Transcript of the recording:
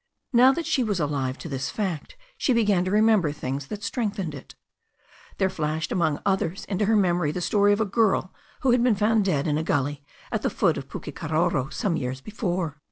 Now that she was alive to this fact she began to remember things that strengthened it. There flashed among others into her memory the story of a girl who had been found dead in a gully at the foot of Pukekaroro some years before.